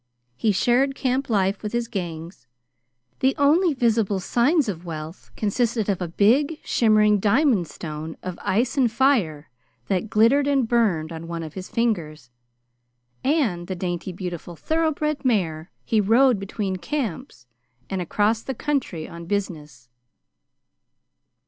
He shared camp life with his gangs. The only visible signs of wealth consisted of a big, shimmering diamond stone of ice and fire that glittered and burned on one of his fingers, and the dainty, beautiful thoroughbred mare he rode between camps and across the country on business.